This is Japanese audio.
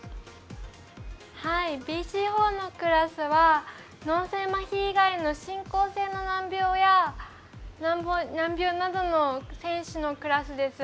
ＢＣ４のクラスは脳性まひ以外の進行性の難病などの選手のクラスです。